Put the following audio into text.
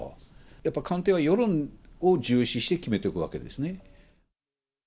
やっぱ官邸は世論を重視して決めていくわけですね。